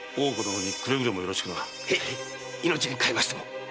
命に代えましても。